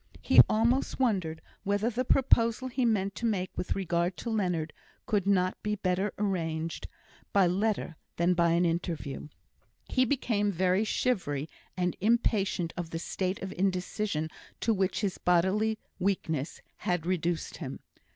He almost wondered whether the proposal he meant to make with regard to Leonard could not be better arranged by letter than by an interview. He became very shivery, and impatient of the state of indecision to which his bodily weakness had reduced him.